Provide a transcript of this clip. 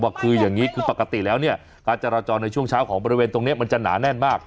ว่าคืออย่างนี้คือปกติแล้วเนี่ยการจราจรในช่วงเช้าของบริเวณตรงนี้มันจะหนาแน่นมาก